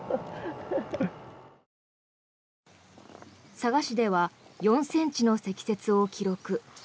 佐賀市では４ｃｍの積雪を記録。